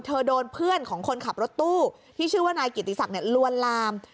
โดนเพื่อนของคนขับรถตู้ที่ชื่อว่านายกิติศักดิ์ลวนลาม